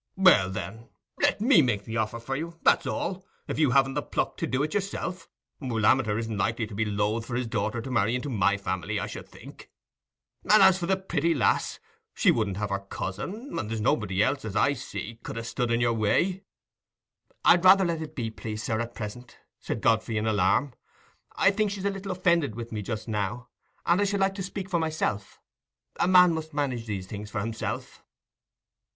"Well, then, let me make the offer for you, that's all, if you haven't the pluck to do it yourself. Lammeter isn't likely to be loath for his daughter to marry into my family, I should think. And as for the pretty lass, she wouldn't have her cousin—and there's nobody else, as I see, could ha' stood in your way." "I'd rather let it be, please sir, at present," said Godfrey, in alarm. "I think she's a little offended with me just now, and I should like to speak for myself. A man must manage these things for himself."